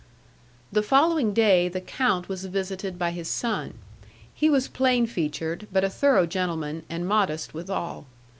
The following day the count was visited by his son; he was plain featured, but a thorough gentleman, and modest withal.